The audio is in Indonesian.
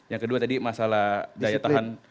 yang kedua tadi masalah daya tahan